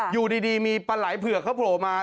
อยู่ดีมีปลาไหล่เผือกเขาโผล่มา